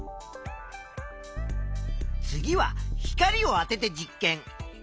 次は光をあてて実験。